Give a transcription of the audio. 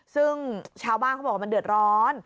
ซึ่งชาวบ้านเขาบอกว่ามันเดือดร้อน